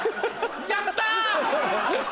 やった！